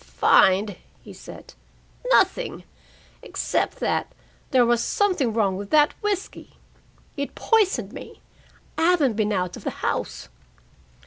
"Find!" he said. "Nothing, except that there was something wrong with that whisky. It poisoned me. I haven't been out of the house!"